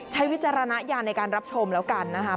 วิจารณญาณในการรับชมแล้วกันนะครับ